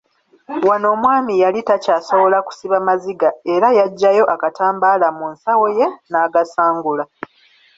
Wano omwami yali takyasobola kusiba maziga era yaggyayo akatambaala mu nsawo ye n’agasangula.